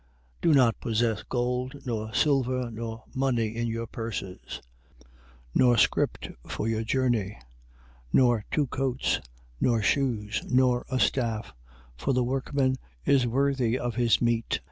10:9. Do not possess gold, nor silver, nor money in your purses: 10:10. Nor scrip for your journey, nor two coats, nor shoes, nor a staff; for the workman is worthy of his meat.